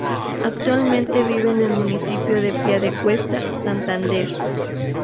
Actualmente vive en el municipio de Piedecuesta, Santander.